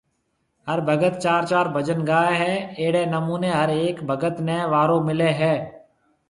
هر ڀگت چار چار بجن گائيَ هيَ اهڙيَ نمونيَ هر هيڪ ڀگت نيَ وارو مليَ هيَ